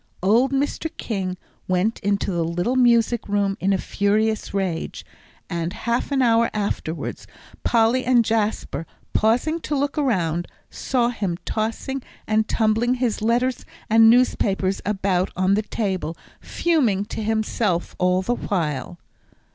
Old Mr. King went into the little music room in a furious rage, and half an hour afterward Polly and Jasper, pausing to look around, saw him tossing and tumbling his letters and newspapers about on the table, fuming to himself all the while.